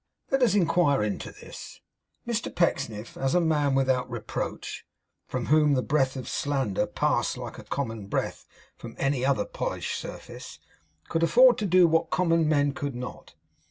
Let us inquire into this. Mr Pecksniff, as a man without reproach, from whom the breath of slander passed like common breath from any other polished surface, could afford to do what common men could not.